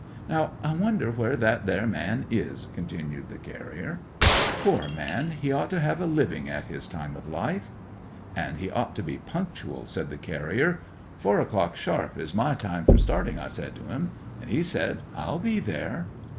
'Now I wonder where that there man is?' continued the carrier. 'Poor man, he ought to have a living at his time of life.' 'And he ought to be punctual,' said the carrier. '"Four o'clock sharp is my time for starting," I said to 'en. And he said, "I'll be there."